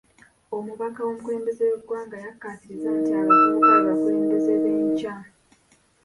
Omubaka w'omukulembeze w'eggwanga yakkaatiriza nti abavubuka be bakulembeze b'enkya .